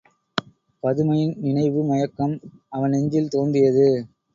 பதுமையின் நினைவு மயக்கம் அவன் நெஞ்சில் தோன்றியது.